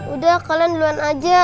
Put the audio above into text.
udah kalian duluan aja